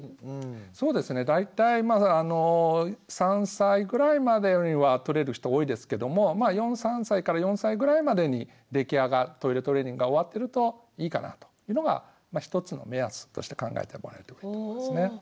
そうですね大体まあ３歳ぐらいまでにはとれる人多いですけどもまあ３歳４歳ぐらいまでにトイレトレーニングが終わってるといいかなというのが１つの目安として考えてもらえるといいと思いますね。